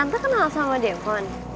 tante kenal sama depon